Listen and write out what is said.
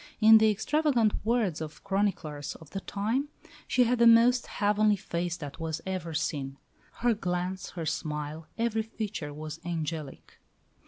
In the extravagant words of chroniclers of the time, "she had the most heavenly face that was ever seen. Her glance, her smile, every feature was angelic."